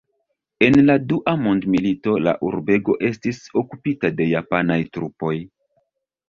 En la dua mondmilito la urbego estis okupita de japanaj trupoj.